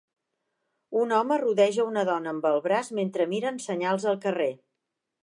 Un home rodeja una dona amb el braç mentre miren senyals al carrer.